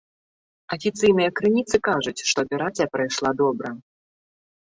Афіцыйныя крыніцы кажуць, што аперацыя прайшла добра.